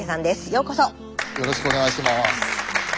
よろしくお願いします。